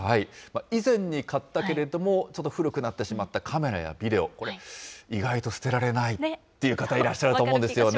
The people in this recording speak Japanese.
以前に買ったけれども、ちょっと古くなってしまったカメラやビデオ、これ意外と捨てられないっていう方、いらっしゃると思うんですよね。